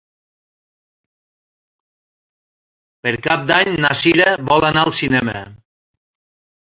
Per Cap d'Any na Cira vol anar al cinema.